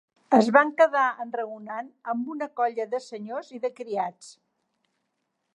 Es van quedar enraonant amb una colla de senyors i de criats.